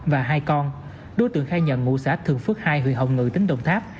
và hai con đối tượng khai nhận ngụ xã thường phước hai huyện hồng ngự tỉnh đồng tháp